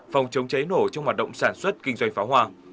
phòng chống cháy nổ trong hoạt động sản xuất kinh doanh pháo hoa